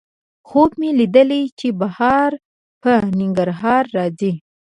خوب مې لیدلی چې بهار په ننګرهار راځي